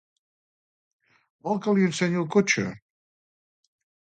Vol que li ensenyi el cotxe?